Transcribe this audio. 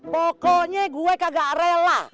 pokoknya gue kagak rela